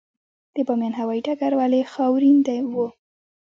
د بامیان هوايي ډګر ولې خاورین و؟